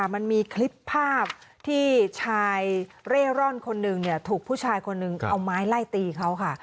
มันมีคลิปภาพที่ชายเร่ร่อนคนหนึ่งถูกผู้ชายคนหนึ่งเอาไม้ไล่ตีเขาค่ะ